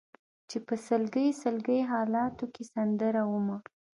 چې په سلګۍ سلګۍ حالاتو کې سندره ومه